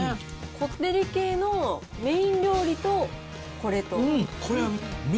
こってり系のメイン料理とこれと。